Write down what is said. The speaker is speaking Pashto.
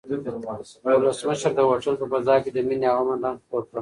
ولسمشر د هوټل په فضا کې د مینې او امن رنګ خپور کړ.